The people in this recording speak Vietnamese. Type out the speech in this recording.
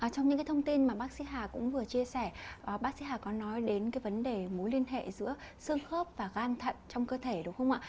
trong những cái thông tin mà bác sĩ hà cũng vừa chia sẻ bác sĩ hà có nói đến cái vấn đề mối liên hệ giữa xương khớp và gan thận trong cơ thể đúng không ạ